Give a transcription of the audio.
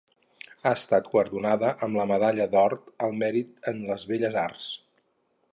Ha estat guardonada amb la Medalla d'Or al Mèrit en les Belles Arts.